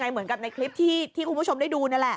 เหมือนกับในคลิปที่คุณผู้ชมได้ดูนั่นแหละ